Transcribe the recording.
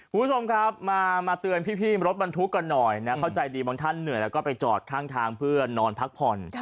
คุณผู้ชมครับมาเตือนพี่รถบรรทุกกันหน่อยนะเข้าใจดีบางท่านเหนื่อยแล้วก็ไปจอดข้างทางเพื่อนอนพักผ่อน